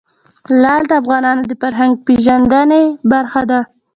لعل د افغانانو د فرهنګي پیژندنې برخه ده.